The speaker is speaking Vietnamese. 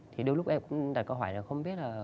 thì đôi lúc em cũng đặt câu hỏi là không biết là